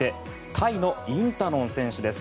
タイのインタノン選手です。